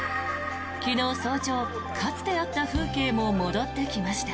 昨日早朝、かつてあった風景も戻ってきました。